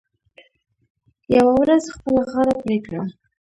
یوه ورځ خپله غاړه پرې کړه .